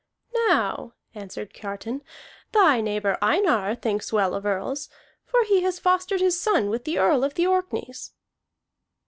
"Now," answered Kiartan, "thy neighbor Einar thinks well of earls, for he has fostered his son with the Earl of the Orkneys."